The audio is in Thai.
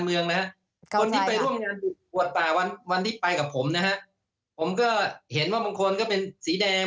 เพื่อประเทศนี้จะทำให้คนไทยรักกันซิอีกครับ